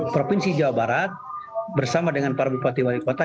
provinsi jawa barat bersama dengan para bupati wali kota